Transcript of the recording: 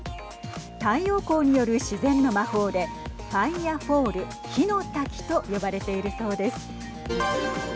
太陽光による自然の魔法でファイアフォール＝火の滝と呼ばれているそうです。